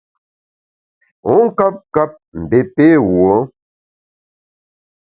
Wu nkap kap, mbé pé wuo ?